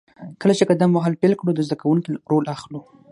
کله چې قدم وهل پیل کړو، د زده کوونکي رول اخلو.